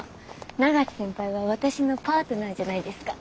永瀬先輩は私のパートナーじゃないですか。